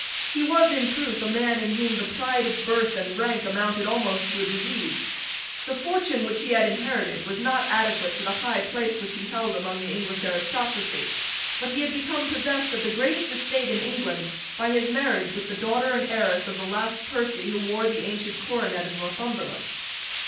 He was in truth a man in whom the pride of birth and rank amounted almost to a disease. The fortune which he had inherited was not adequate to the high place which he held among the English aristocracy: but he had become possessed of the greatest estate in England by his marriage with the daughter and heiress of the last Percy who wore the ancient coronet of Northumberland.